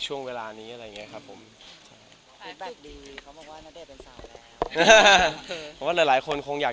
จุดช่างฟิลของเราจากต่อไป